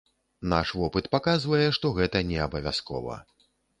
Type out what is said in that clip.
Наш вопыт паказвае, што гэта неабавязкова.